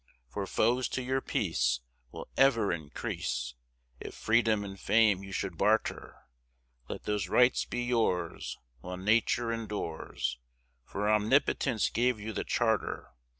For foes to your peace Will ever increase, If freedom and fame you should barter, Let those rights be yours, While nature endures, For OMNIPOTENCE gave you the charter!"